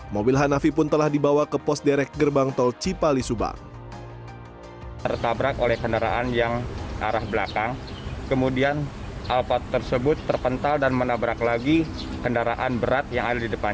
mobil hanafi pun telah dibawa ke pos derek gerbang tol cipali subang